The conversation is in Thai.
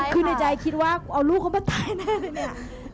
คือในใจคิดว่าเอาลูกเขามาตายแน่เลยเนี่ย